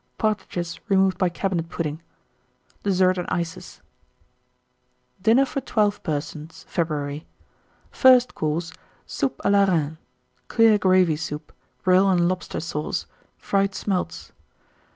Partridges, removed by Cabinet Pudding. DESSERT AND ICES. 1910. DINNER FOR 12 PERSONS (February). FIRST COURSE. Soup a la Reine. Clear Gravy Soup. Brill and Lobster Sauce. Fried Smelts.